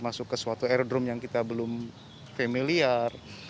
masuk ke suatu airdrome yang kita belum familiar